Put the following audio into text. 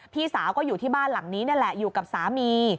พี่สาวก็อยู่ที่บ้านหลังนี้นี่แหละอยู่กับสามี